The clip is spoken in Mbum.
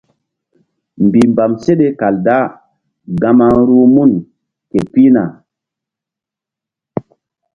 Mbihmbam seɗe kal da gama ruh mun ke pihna.